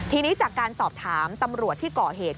ทีนี้จากการสอบถามตำรวจที่ก่อเหตุ